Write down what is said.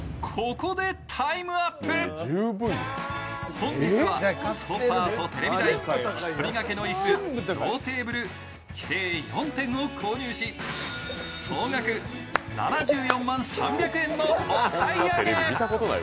本日はソファーとテレビ台、１人がけの椅子、ローテーブル、計４点を購入し、総額７４万３００円のお買い上げ。